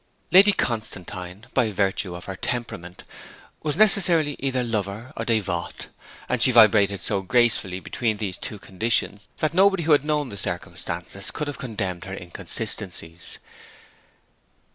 Lady Constantine, by virtue of her temperament, was necessarily either lover or dévote, and she vibrated so gracefully between these two conditions that nobody who had known the circumstances could have condemned her inconsistencies.